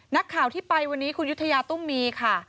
นักข่าวที่ไปวันนี้คุณยุธยาตุ้มมีค่ะ